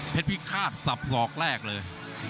พฤติพิคาทย์สับโศกแรกเลย